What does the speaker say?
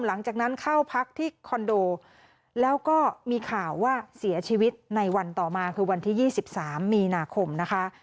หลังจากนั้นเข้าพักที่คอนโดแล้วก็มีข่าวว่าเสียชีวิตในวันต่อมาคือวันที่๒๓มีนาคมนะคะ